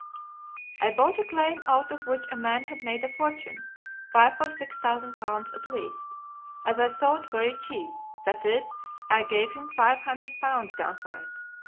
I bought a claim out of which a man had made a fortune five or six thousand pounds at least as I thought, very cheap; that is, I gave him five hundred pounds down for it.